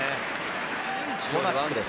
コーナーキックです。